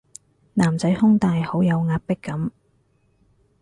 男仔胸大好有壓迫感